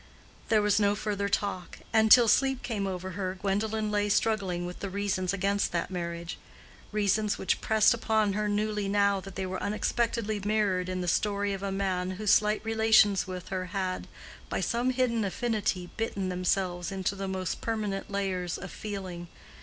There was no further talk, and till sleep came over her Gwendolen lay struggling with the reasons against that marriage—reasons which pressed upon her newly now that they were unexpectedly mirrored in the story of a man whose slight relations with her had, by some hidden affinity, bitten themselves into the most permanent layers of feeling.